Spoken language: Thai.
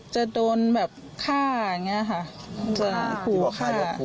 จะโดนแบบฆ่าอย่างนี้ค่ะ